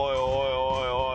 おいおい